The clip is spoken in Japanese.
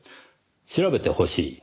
「調べてほしい」